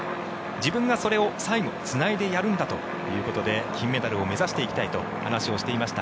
自分がそれを最後つないでやるんだということで金メダルを目指していきたいと話していました。